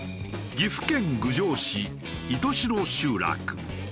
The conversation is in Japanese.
岐阜県郡上市石徹白集落。